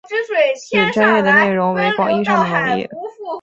此专页的内容为广义上的农业。